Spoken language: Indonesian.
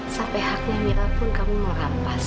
sampai haknya mila pun kamu merampas